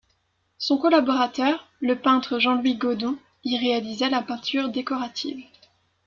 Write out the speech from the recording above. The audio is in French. Son collaborateur, le peintre Jean-Louis Godon y réalisa la peinture décorative.